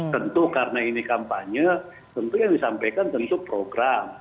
tentu karena ini kampanye tentu yang disampaikan tentu program